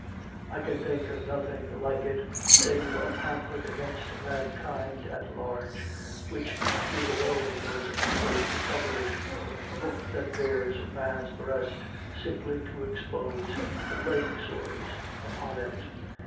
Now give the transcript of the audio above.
I can think of nothing like it save a pamphlet against mankind at large which Diderot was afraid to publish, a book that bares man's breast simply to expose the plague sores upon it.